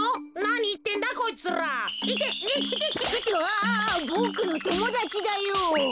あボクのともだちだよ。